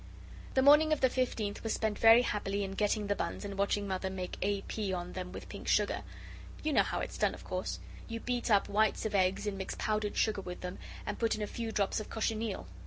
The morning of the fifteenth was spent very happily in getting the buns and watching Mother make A. P. on them with pink sugar. You know how it's done, of course? You beat up whites of eggs and mix powdered sugar with them, and put in a few drops of cochineal.